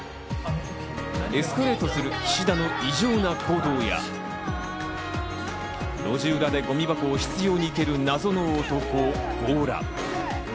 エスカレートする菱田の異常な行動や、路地裏でごみ箱を執拗に蹴る謎の男、強羅。